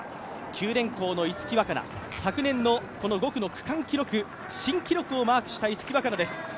九電工の逸木和香菜、昨年の５区の区間記録、新記録をマークした逸木和香菜です。